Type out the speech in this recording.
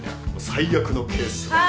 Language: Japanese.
最悪のケースは。